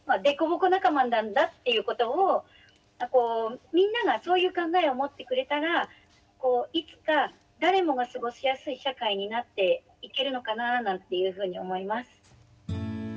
「凸凹仲間」なんだということをみんながそういう考えを持ってくれたらこういつか誰もが過ごしやすい社会になっていけるのかななんていうふうに思います。